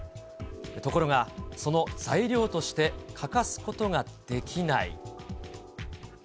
ところが、その材料として欠かすことができない。